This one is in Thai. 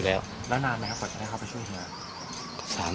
แล้วนานมม่วงจะได้เข้าไปฝ่างเฮีย